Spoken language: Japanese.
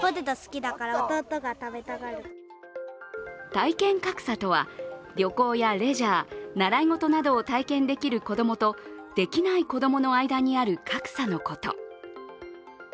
体験格差とは、旅行やレジャー、習い事などを体験できる子供とできない子供の間にある格差のこと。